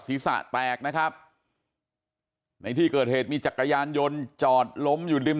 ศีรษะแตกนะครับในที่เกิดเหตุมีจักรยานยนต์จอดล้มอยู่ริม